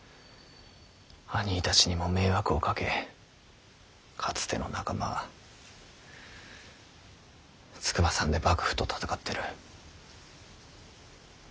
あにぃたちにも迷惑をかけかつての仲間は筑波山で幕府と戦ってる。